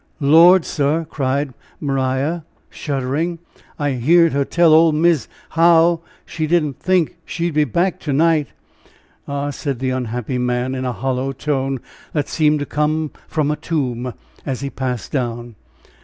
"Lord, sir!" cried Maria, shuddering, "I heerd her tell old Mis', how she didn't think she'd be back to night." "Ah!" said the unhappy man, in a hollow tone, that seemed to come from a tomb, as he passed down.